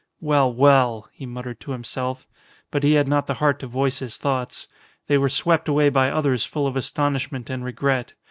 "Well, well!" he muttered to himself, but he had not the heart to voice his thoughts. They were swept away by others full of astonishment and regret.